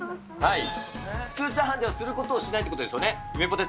普通、チャーハンではすることをしないということですよね。